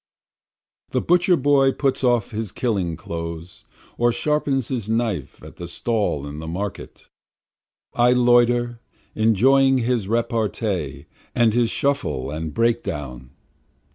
12 The butcher boy puts off his killing clothes, or sharpens his knife at the stall in the market, I loiter enjoying his repartee and his shuffle and break down.